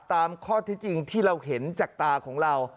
ตามข้อที่จริงที่เราเห็นจากตาของเรา